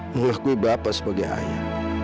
mengakui bapak sebagai ayah